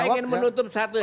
saya ingin menutup satu